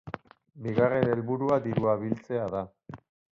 Bigarren helburua dirua biltzea da.